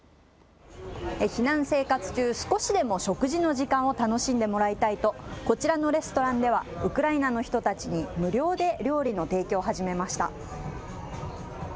避難生活中、少しでも食事の時間を楽しんでもらいたいとこちらのレストランではウクライナの人たちに無料で料理の提供を始めました。